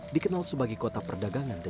dikenal sebagai kota perdagangan dan jadwal